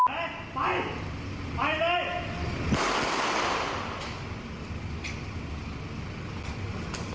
คร่าวครับผมจะเอารถแล้วก็จะไปครับ